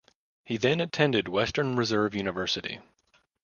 He then attended Western Reserve University.